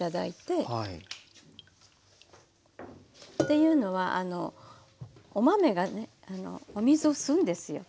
というのはお豆がお水を吸うんですよ。